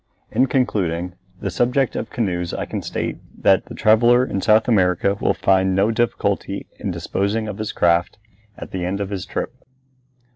In concluding the subject of canoes I can state that the traveller in South America will find no difficulty in disposing of his craft at the end of his trip.